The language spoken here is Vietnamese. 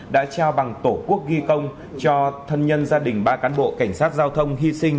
đã trao bằng tổ quốc ghi công cho thân nhân gia đình ba cán bộ cảnh sát giao thông hy sinh